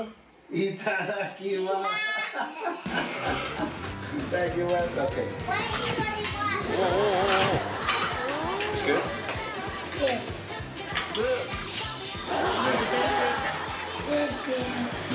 いただきます。